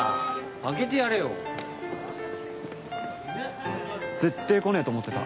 開けてやれよ。ぜってぇ来ねぇと思ってた。